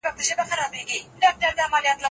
ککو خوراک د شدید میل لامل نه دی.